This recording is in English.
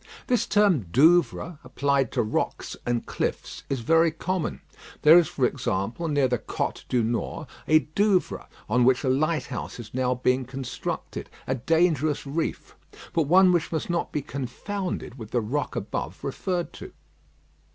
This term Douvres, applied to rocks and cliffs, is very common. There is, for example, near the Côtes du Nord, a Douvre, on which a lighthouse is now being constructed, a dangerous reef; but one which must not be confounded with the rock above referred to.